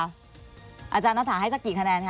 อาจารย์นัทถาให้สักกี่คะแนนค่ะ